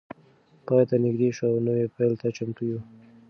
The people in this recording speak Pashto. پای ته نږدې شو او نوی پیل ته چمتو یو.